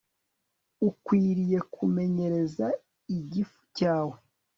ukwiriye kumenyereza igifu cyawe